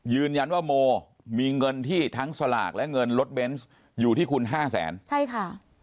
ยืนยันว่าโมมีเงินที่ทั้งสลากและเงินรถเบนส์อยู่ที่คุณห้าแสนใช่ค่ะ